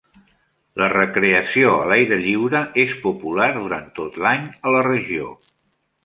La recreació a l'aire lliure és popular durant tot l'any a la regió.